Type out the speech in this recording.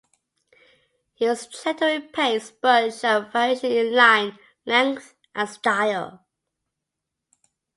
He was gentle in pace, but showed variation in line, length and style.